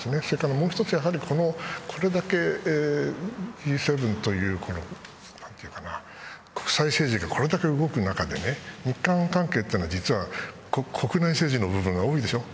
もう一つ、これだけＧ７という国際政府がこれだけ動く中で日韓関係は実は国内政治の部分が多いでしょう。